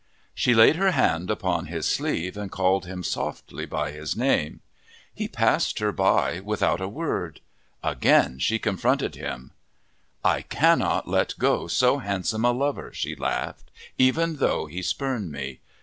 She laid her hand upon his sleeve and called him softly by his name. He passed her by without a word. Again she confronted him. "I cannot let go so handsome a lover," she laughed, "even though he spurn me!